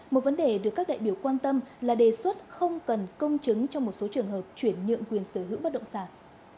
một vấn đề được các đại biểu quan tâm là đề xuất không cần công chứng trong một số trường hợp chuyển nhượng quyền sở hữu bất động sản